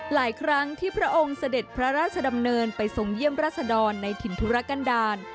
หลายครั้งที่พระองค์เสด็จพระราชดำเนินไปทรงเยี่ยมราชดรในถิ่นธุรกันดาล